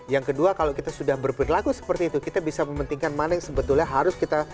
yang kedua kalau kita sudah berperilaku seperti itu kita bisa mementingkan mana yang sebetulnya harus kita